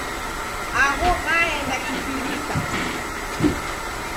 Agho ghaenda kifirika.